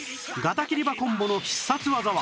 ガタキリバコンボの必殺技は